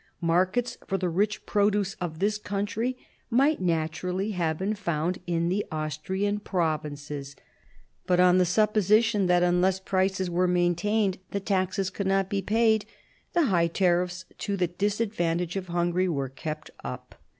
Markets for the rich produce of this country might naturally have been found in the Austrian provinces; but on the supposition that unless prices were maintained the taxes could not be paid, the high tariffs to the dis advantage of Hungary were kept up.